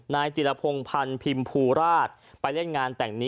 นายจิรพงศ์พันธ์พิมภูราชไปเล่นงานแต่งนี้